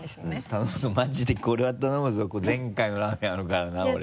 頼むマジでこれは頼むぞ前回のラーメンあるからな俺。